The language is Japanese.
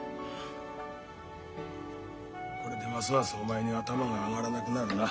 これでますますお前に頭が上がらなくなるな。